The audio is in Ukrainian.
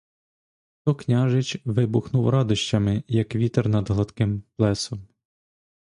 То княжич вибухнув радощами, як вітер над гладким плесом.